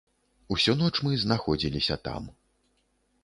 Усю ноч мы знаходзіліся там.